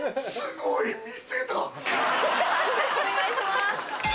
判定お願いします。